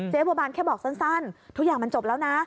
บัวบานแค่บอกสั้นทุกอย่างมันจบแล้วนะ